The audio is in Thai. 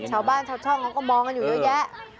ชาวบ้านชาวช่องเขาก็มองกันอยู่เยอะแยะ